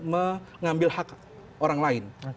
mengambil hak orang lain